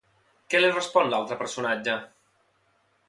Què li respon l'altre personatge?